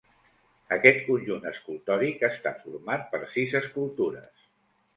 Aquest conjunt escultòric està format per sis escultures.